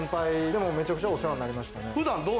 でもめちゃくちゃお世話になりましたね。